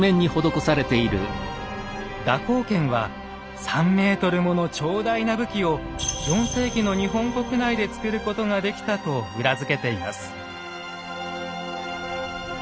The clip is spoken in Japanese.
蛇行剣は３ｍもの長大な武器を４世紀の日本国内で作ることができたと裏付けています。